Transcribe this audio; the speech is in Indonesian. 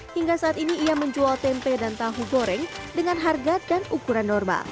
hingga saat ini ia menjual tempe dan tahu goreng dengan harga dan ukuran normal